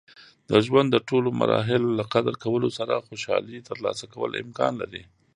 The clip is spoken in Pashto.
د ژوند د ټول مراحل له قدر کولو سره خوشحالي ترلاسه کول امکان لري.